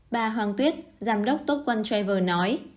bà hoàng tuyết giám đốc top one travel nói